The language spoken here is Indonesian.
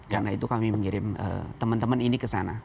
karena itu kami mengirim teman teman ini di sana